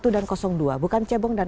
satu dan dua bukan cebong dan